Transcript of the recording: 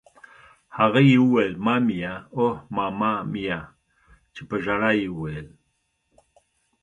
هغه یې ویل: مامیا! اوه ماما میا! چې په ژړا یې وویل.